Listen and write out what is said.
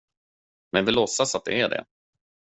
Men vi låtsas att det är det.